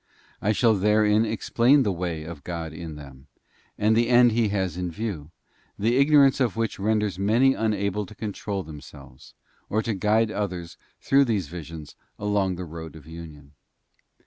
I shall therein explain the way of Godin them, and the end He has in view, the ignorance of which renders many unable to control them selves, or to guide others through these visions along the road of union.